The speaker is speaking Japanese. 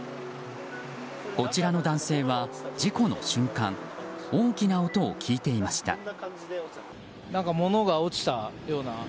こちらの男性は事故の瞬間大きな音を聞いていました。